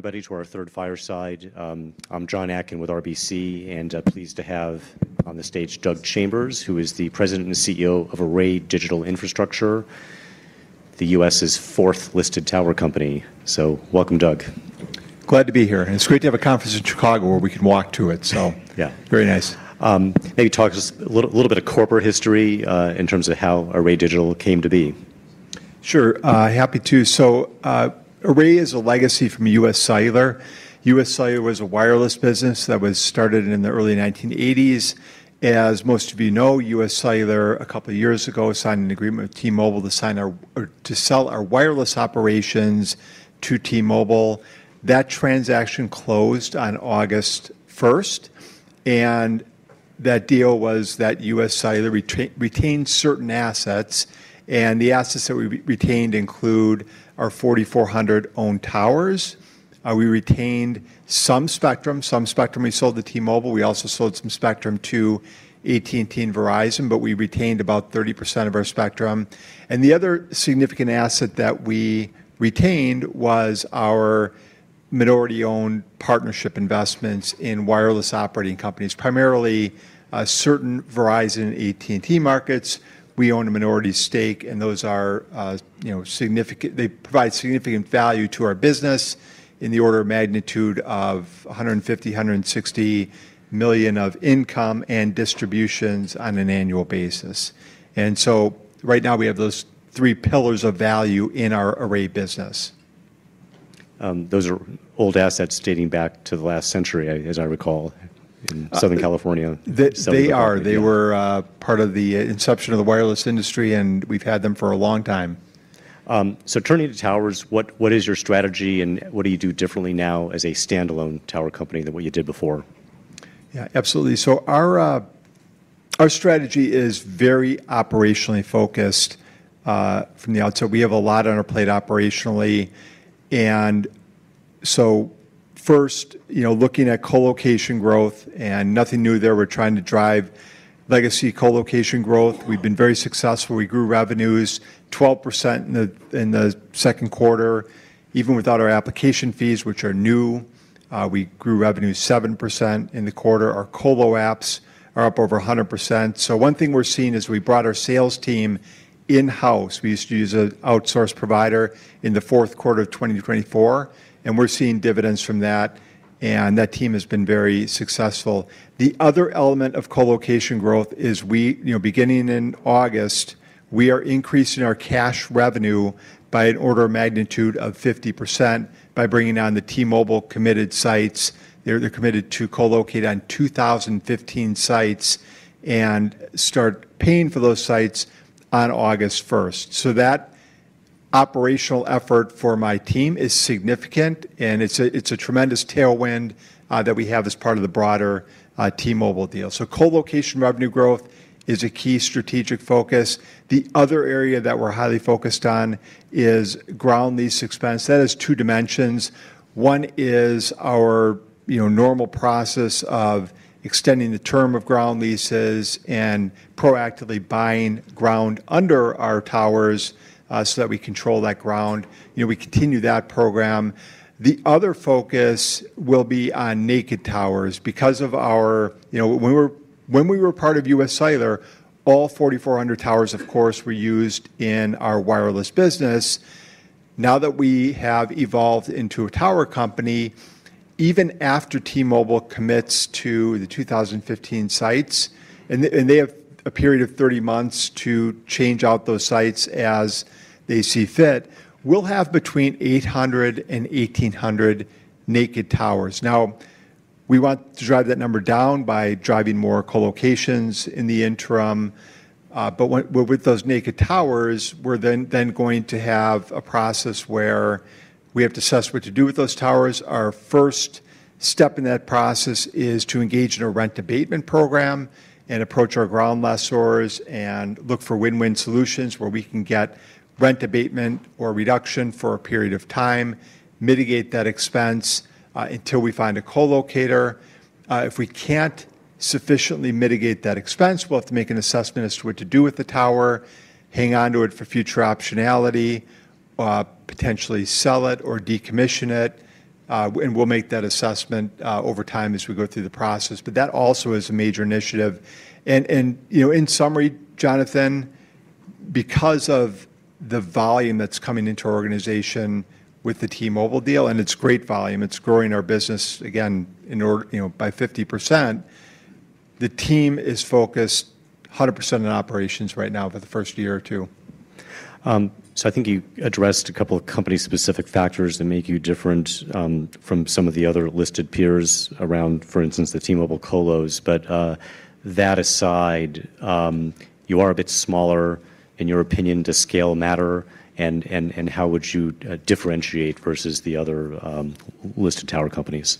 Ready for our third fireside. I'm John Atkin with RBC and pleased to have on the stage Doug Chambers, who is the President and CEO of Array Digital Infrastructure, the U.S.'s fourth listed tower company. Welcome, Doug. Glad to be here. It's great to have a conference in Chicago where we can walk to it. Very nice. Maybe talk to us a little bit of corporate history in terms of how Array Digital came to be. Sure, happy to. Array is a legacy from UScellular. UScellular was a wireless business that was started in the early 1980s. As most of you know, UScellular, a couple of years ago, signed an agreement with T-Mobile to sell our wireless operations to T-Mobile. That transaction closed on August 1st. That deal was that UScellular retained certain assets. The assets that we retained include our 4,400 owned towers. We retained some spectrum. Some spectrum we sold to T-Mobile. We also sold some spectrum to AT&T and Verizon. We retained about 30% of our spectrum. The other significant asset that we retained was our minority-owned partnership investments in wireless operating companies, primarily certain Verizon and AT&T markets. We own a minority stake, and those are significant. They provide significant value to our business in the order of magnitude of $150 million, $160 million of income and distributions on an annual basis. Right now we have those three pillars of value in our Array business. Those are old assets dating back to the last century, as I recall, in Southern California. They are. They were part of the inception of the wireless industry, and we've had them for a long time. Turning to towers, what is your strategy and what do you do differently now as a standalone tower company than what you did before? Yeah, absolutely. Our strategy is very operationally focused from the outset. We have a lot on our plate operationally. First, looking at colocation growth, and nothing new there, we're trying to drive legacy colocation growth. We've been very successful. We grew revenues 12% in the second quarter, even without our application fees, which are new. We grew revenues 7% in the quarter. Our colo apps are up over 100%. One thing we're seeing is we brought our sales team in-house. We used to use an outsourced provider in the fourth quarter of 2024, and we're seeing dividends from that. That team has been very successful. The other element of colocation growth is, beginning in August, we are increasing our cash revenue by an order of magnitude of 50% by bringing on the T-Mobile committed sites. They're committed to colocate on 2,015 sites and start paying for those sites on August 1st. That operational effort for my team is significant. It's a tremendous tailwind that we have as part of the broader T-Mobile deal. Colocation revenue growth is a key strategic focus. The other area that we're highly focused on is ground lease expense. That has two dimensions. One is our normal process of extending the term of ground leases and proactively buying ground under our towers so that we control that ground. We continue that program. The other focus will be on naked towers because, when we were part of UScellular, all 4,400 towers, of course, were used in our wireless business. Now that we have evolved into a tower company, even after T-Mobile commits to the 2,015 sites, and they have a period of 30 months to change out those sites as they see fit, we'll have between 800-1,800 naked towers. We want to drive that number down by driving more colocations in the interim. With those naked towers, we're then going to have a process where we have to assess what to do with those towers. Our first step in that process is to engage in a rent abatement program and approach our ground lessors and look for win-win solutions where we can get rent abatement or reduction for a period of time, mitigate that expense until we find a colocator. If we can't sufficiently mitigate that expense, we'll have to make an assessment as to what to do with the tower, hang on to it for future optionality, potentially sell it or decommission it. We'll make that assessment over time as we go through the process. That also is a major initiative. In summary, Jonathan, because of the volume that's coming into our organization with the T-Mobile deal, and it's great volume, it's growing our business again in order, by 50%, the team is focused 100% on operations right now for the first year or two. I think you addressed a couple of company-specific factors that make you different from some of the other listed peers around, for instance, the T-Mobile colos. That aside, you are a bit smaller. In your opinion, does scale matter? How would you differentiate versus the other listed tower companies?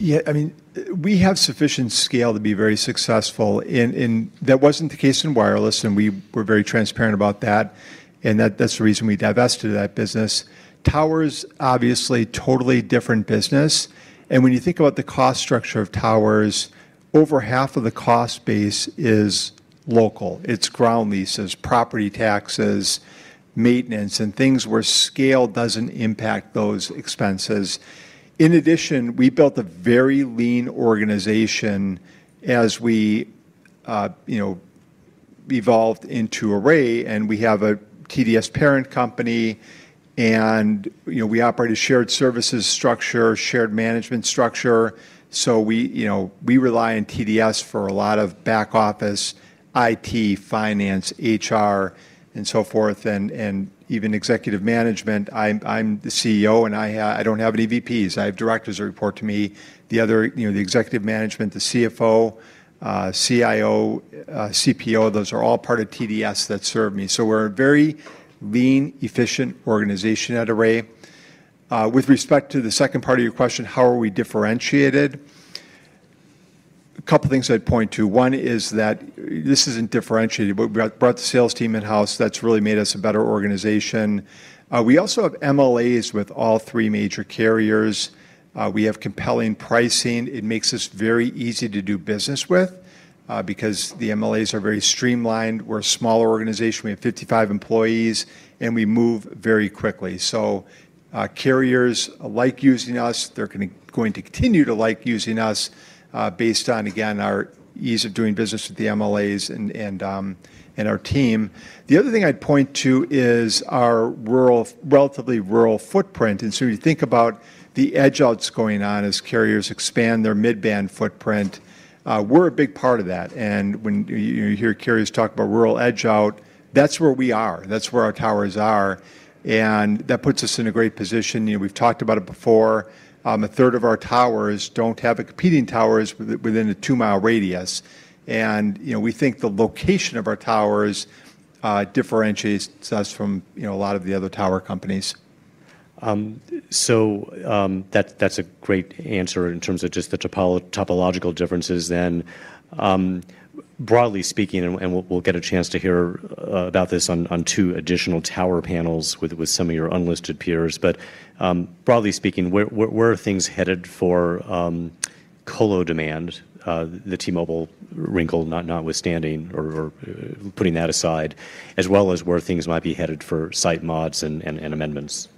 Yeah, I mean, we have sufficient scale to be very successful. That wasn't the case in wireless, and we were very transparent about that. That's the reason we divested of that business. Towers, obviously, are a totally different business. When you think about the cost structure of towers, over half of the cost base is local. It's ground leases, property taxes, maintenance, and things where scale doesn't impact those expenses. In addition, we built a very lean organization as we evolved into Array. We have a TDS parent company, and we operate a shared services structure, shared management structure. We rely on TDS for a lot of back-office IT, finance, HR, and so forth, and even executive management. I'm the CEO, and I don't have any VPs. I have directors that report to me. The other executive management, the CFO, CIO, CPO, those are all part of TDS that serve me. We're a very lean, efficient organization at Array. With respect to the second part of your question, how are we differentiated? A couple of things I'd point to. One is that this isn't differentiated. We brought the sales team in-house. That's really made us a better organization. We also have MLAs with all three major carriers. We have compelling pricing. It makes us very easy to do business with because the MLAs are very streamlined. We're a smaller organization. We have 55 employees, and we move very quickly. Carriers like using us. They're going to continue to like using us based on, again, our ease of doing business with the MLAs and our team. The other thing I'd point to is our relatively rural footprint. You think about the edgeouts going on as carriers expand their mid-band footprint. We're a big part of that. When you hear carriers talk about rural edgeout, that's where we are. That's where our towers are, and that puts us in a great position. We've talked about it before. A third of our towers don't have competing towers within a two-mile radius. We think the location of our towers differentiates us from a lot of the other tower companies. That's a great answer in terms of just the topological differences. Broadly speaking, we'll get a chance to hear about this on two additional tower panels with some of your unlisted peers. Broadly speaking, where are things headed for colo demand, the T-Mobile wrinkle notwithstanding, or putting that aside, as well as where things might be headed for site mods and amendments?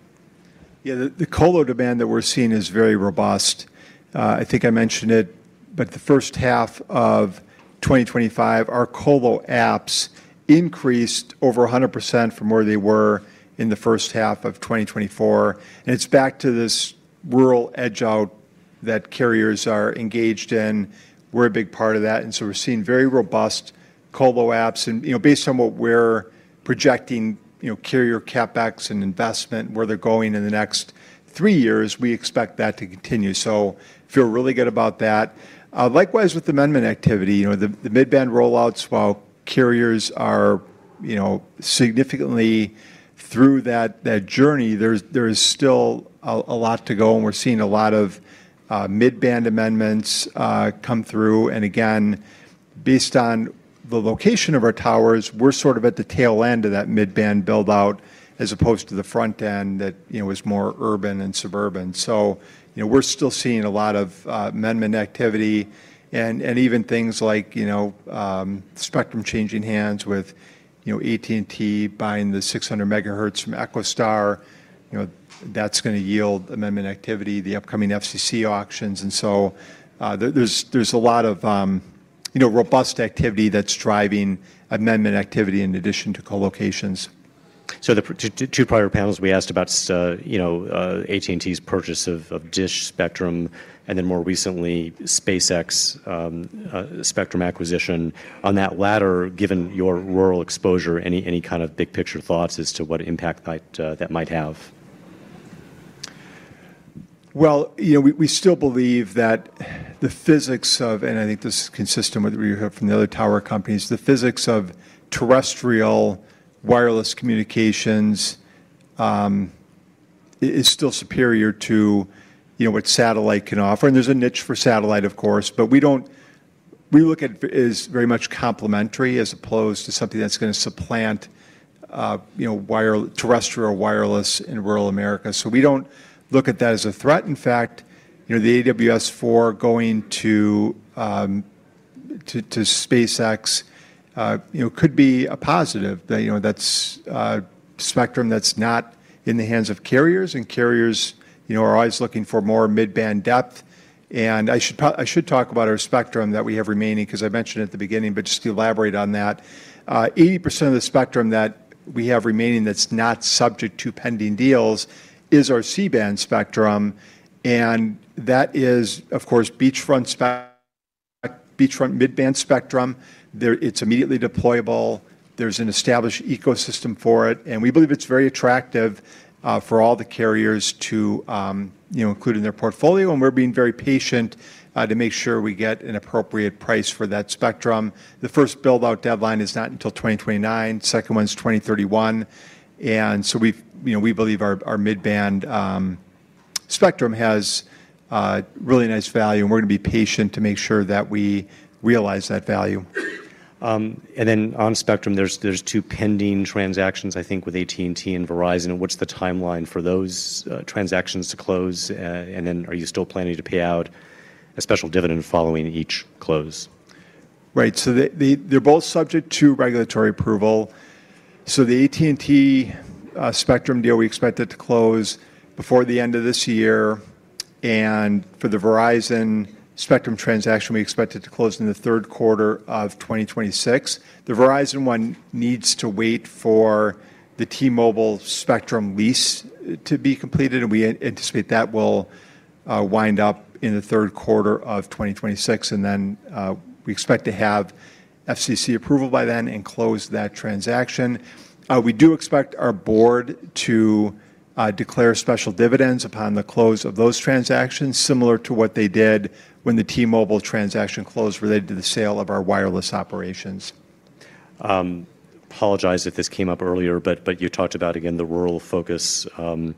Yeah, the colo demand that we're seeing is very robust. I think I mentioned it, but the first half of 2025, our colo apps increased over 100% from where they were in the first half of 2024. It's back to this rural edgeout that carriers are engaged in. We're a big part of that, and we're seeing very robust colo apps. Based on what we're projecting, carrier CapEx and investment and where they're going in the next three years, we expect that to continue. I feel really good about that. Likewise, with amendment activity, the mid-band rollouts, while carriers are significantly through that journey, there is still a lot to go. We're seeing a lot of mid-band amendments come through. Based on the location of our towers, we're sort of at the tail end of that mid-band build-out as opposed to the front end that is more urban and suburban. We're still seeing a lot of amendment activity. Even things like spectrum changing hands with AT&T buying the 600 MHz from EchoStar, that's going to yield amendment activity, the upcoming FCC auctions. There's a lot of robust activity that's driving amendment activity in addition to colocations. The two prior panels we asked about, you know, AT&T's purchase of Dish spectrum, and then more recently, SpaceX spectrum acquisition. On that latter, given your rural exposure, any kind of big-picture thoughts as to what impact that might have? You know, we still believe that the physics of, and I think this is consistent with what you heard from the other tower companies, the physics of terrestrial wireless communications is still superior to what satellite can offer. There's a niche for satellite, of course. We look at it as very much complementary as opposed to something that's going to supplant terrestrial wireless in rural America. We don't look at that as a threat. In fact, the AWS-4 going to SpaceX could be a positive. That's a spectrum that's not in the hands of carriers. Carriers are always looking for more mid-band depth. I should talk about our spectrum that we have remaining, because I mentioned it at the beginning, but just to elaborate on that, 80% of the spectrum that we have remaining that's not subject to pending deals is our C-band spectrum. That is, of course, beachfront mid-band spectrum. It's immediately deployable. There's an established ecosystem for it. We believe it's very attractive for all the carriers to include in their portfolio. We're being very patient to make sure we get an appropriate price for that spectrum. The first build-out deadline is not until 2029. The second one is 2031. We believe our mid-band spectrum has really nice value. We're going to be patient to make sure that we realize that value. On spectrum, there are two pending transactions, I think, with AT&T and Verizon. What is the timeline for those transactions to close? Are you still planning to pay out a special dividend following each close? Right. They're both subject to regulatory approval. The AT&T spectrum deal, we expect it to close before the end of this year. For the Verizon spectrum transaction, we expect it to close in the third quarter of 2026. The Verizon one needs to wait for the T-Mobile spectrum lease to be completed. We anticipate that will wind up in the third quarter of 2026. We expect to have FCC approval by then and close that transaction. We do expect our board to declare special dividends upon the close of those transactions, similar to what they did when the T-Mobile transaction closed related to the sale of our wireless operations. Apologize if this came up earlier, but you talked about, again, the rural focus. Bill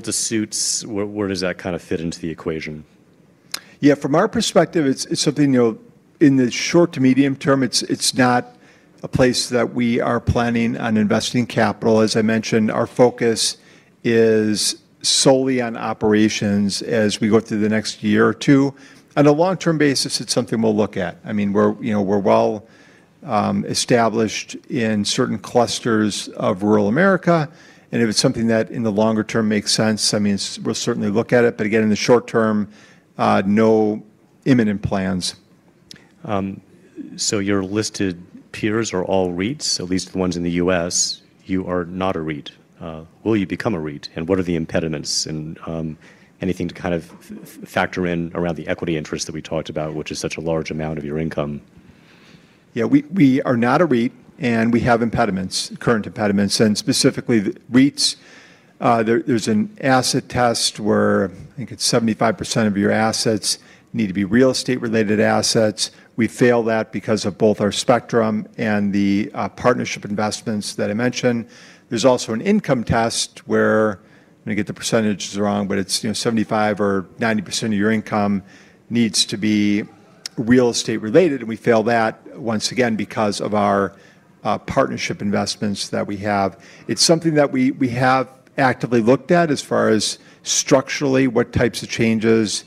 [desuits], where does that kind of fit into the equation? Yeah, from our perspective, it's something, you know, in the short to medium term, it's not a place that we are planning on investing capital. As I mentioned, our focus is solely on operations as we go through the next year or two. On a long-term basis, it's something we'll look at. I mean, you know, we're well established in certain clusters of rural America. If it's something that in the longer term makes sense, I mean, we'll certainly look at it. Again, in the short term, no imminent plans. Your listed peers are all REITs, at least the ones in the U.S. You are not a REIT. Will you become a REIT? What are the impediments? Is there anything to factor in around the equity interest that we talked about, which is such a large amount of your income? Yeah, we are not a REIT. We have impediments, current impediments. Specifically, REITs, there's an asset test where I think it's 75% of your assets need to be real estate-related assets. We failed that because of both our spectrum and the partnership investments that I mentioned. There's also an income test where I'm going to get the percentages wrong, but it's, you know, 75% or 90% of your income needs to be real estate-related. We failed that once again because of our partnership investments that we have. It's something that we have actively looked at as far as structurally, what types of changes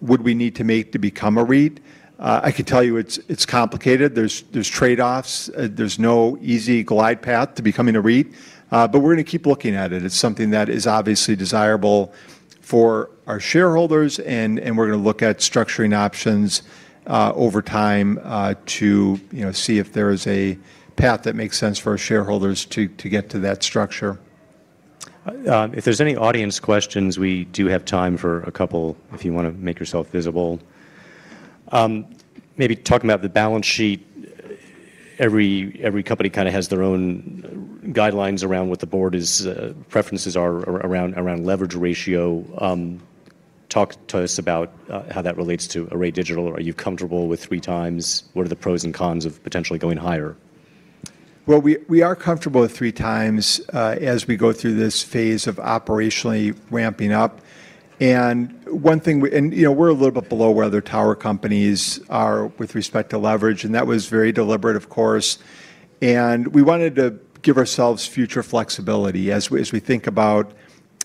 would we need to make to become a REIT. I can tell you it's complicated. There are trade-offs. There's no easy glide path to becoming a REIT. We are going to keep looking at it. It's something that is obviously desirable for our shareholders. We are going to look at structuring options over time to see if there is a path that makes sense for our shareholders to get to that structure. If there's any audience questions, we do have time for a couple if you want to make yourself visible. Maybe talk about the balance sheet. Every company kind of has their own guidelines around what the board's preferences are around leverage ratio. Talk to us about how that relates to Array Digital. Are you comfortable with three times? What are the pros and cons of potentially going higher? We are comfortable with three times as we go through this phase of operationally ramping up. One thing, we're a little bit below where other tower companies are with respect to leverage. That was very deliberate, of course. We wanted to give ourselves future flexibility as we think about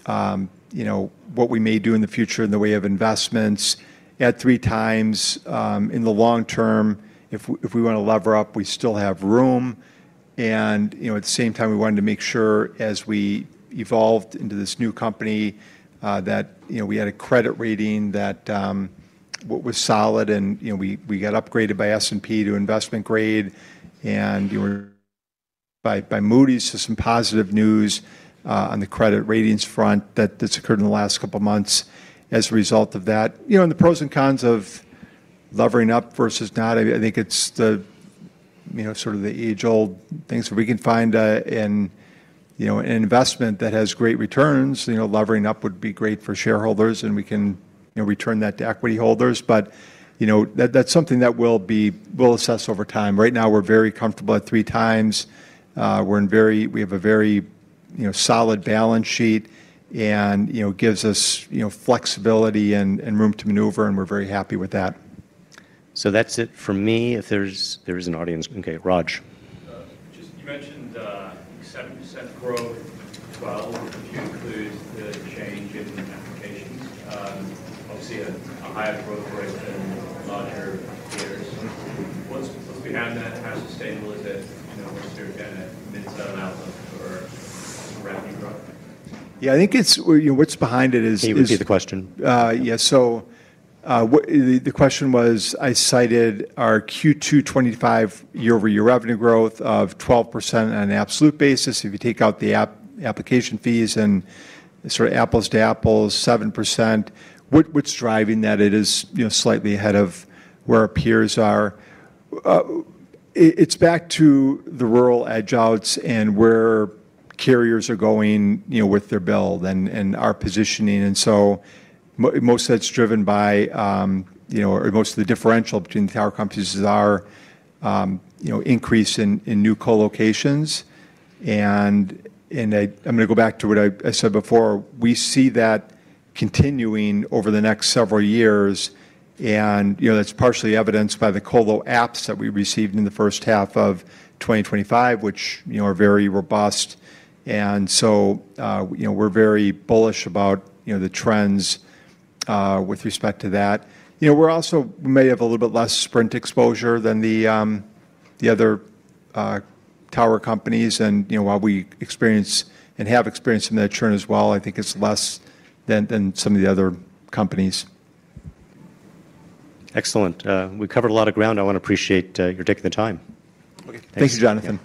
what we may do in the future in the way of investments. At three times, in the long term, if we want to lever up, we still have room. At the same time, we wanted to make sure as we evolved into this new company that we had a credit rating that was solid. We got upgraded by S&P to investment grade. By Moody's, there's some positive news on the credit ratings front that's occurred in the last couple of months as a result of that. The pros and cons of levering up versus not, I think it's the sort of the age-old things that we can find in an investment that has great returns. Levering up would be great for shareholders. We can return that to equity holders. That's something that we'll assess over time. Right now, we're very comfortable at three times. We have a very solid balance sheet. It gives us flexibility and room to maneuver. We're very happy with that. That's it for me. If there's an audience, OK, Raj. You mentioned 7% growth. If you include the change in applications, obviously a higher growth rate and larger customer base. What's behind that? How sustainable is it? Obviously, again, a mid-step outlook or a round robin. areas within the company. It's a matter of being thoughtful and strategic with our resources. Can you repeat the question? Yeah, so the question was, I cited our Q2 2025 year-over-year revenue growth of 12% on an absolute basis. If you take out the application fees and sort of apples to apples, 7%. What's driving that? It is slightly ahead of where our peers are. It's back to the rural edgeouts and where carriers are going with their build and our positioning. Most of that's driven by, or most of the differential between the tower companies is our increase in new colocations. I'm going to go back to what I said before. We see that continuing over the next several years, and that's partially evidenced by the colo apps that we received in the first half of 2025, which are very robust. We're very bullish about the trends with respect to that. We also may have a little bit less Sprint exposure than the other tower companies, and while we experience and have experienced some of that churn as well, I think it's less than some of the other companies. Excellent. We covered a lot of ground. I want to appreciate your taking the time. OK, thanks, John.